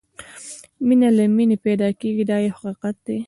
مینه له مینې پیدا کېږي دا یو حقیقت دی.